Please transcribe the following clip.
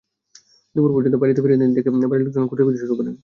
দুপুর পর্যন্ত তারা বাড়িতে ফেরেনি দেখে বাড়ির লোকজন খোঁজাখুঁজি শুরু করেন।